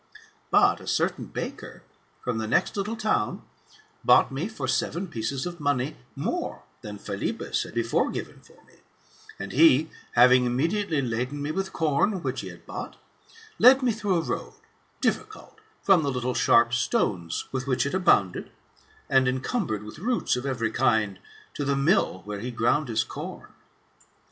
But a certain baker, from the next little town, bought me for seven pieces of money more than Philebus had before given for me ; and he, having imme diately laden me with com, which he had bought, led me through a road, difficult, from the little sharp stones with which it abounded, and encumbered with roots of every kind, to the mill where he ground his corn.